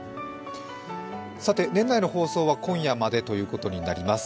年内の放送は今夜までということになります。